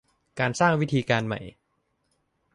การสร้างวิธีการใหม่